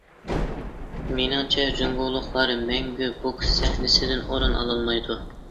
مېنىڭچە جۇڭگولۇقلار مەڭگۈ بوكس سەھنىسىدىن ئورۇن ئالالمايدۇ.